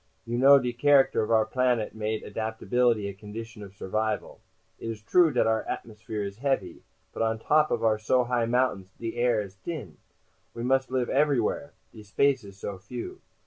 You know de character of our planet made adaptability a condition of survival. It is true dat our atmosphere is heavy, but on top of our so high mountains de air is t'in. We must live everywhere, de space is so few.